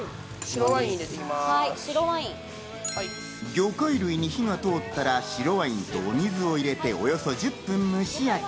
魚介類に火が通ったら、白ワインとお水を入れて、およそ１０分蒸し焼き。